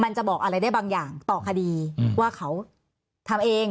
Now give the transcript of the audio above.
จะบอกอะไรได้บางอย่างต่อคดีว่าเขาทำเอง